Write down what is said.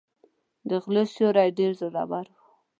د غلو سیوری ډېر زورور و.